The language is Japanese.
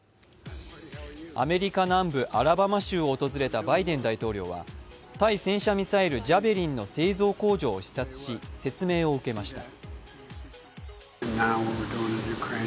アメリカ南部アラバマ州を訪れたバイデン大統領は対戦車ミサイル・ジャベリンの製造工場を視察し、説明を受けました。